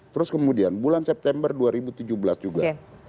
terus kemudian bulan september dua ribu tujuh belas juga